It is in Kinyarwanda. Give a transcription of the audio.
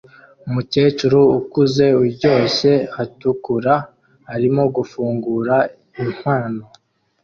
Umukecuru ukuze uryoshye atukura arimo gufungura impano